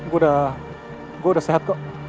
gua udah sehat kok